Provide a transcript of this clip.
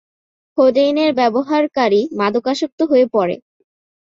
কোডেইনের ব্যবহারকারী মাদকাসক্ত হয়ে পড়ে।